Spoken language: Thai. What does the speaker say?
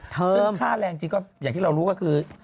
ซึ่งค่าแรงจริงก็อย่างที่เรารู้ก็คือ